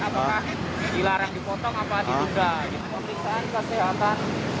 apakah dilarang dipotong apakah tidak